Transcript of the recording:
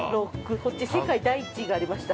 ◆こっち世界第１位がありました。